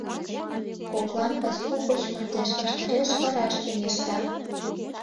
Коклан пасу гоч мардеж ваштареш вараш чоҥешта.